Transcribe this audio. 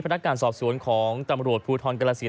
พนักการณ์สอบสวนของตำรวจภูทรเกลศี